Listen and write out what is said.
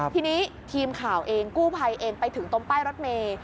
ทีนี้ทีมข่าวเองกู้ภัยเองไปถึงตรงป้ายรถเมย์